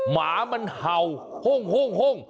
หมามันเห่าห้ง